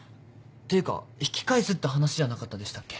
ていうか引き返すって話じゃなかったでしたっけ？